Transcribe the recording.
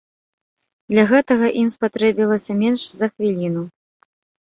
Для гэтага ім спатрэбілася менш за хвіліну.